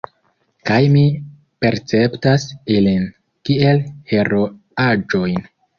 Kaj mi perceptas ilin kiel heroaĵojn.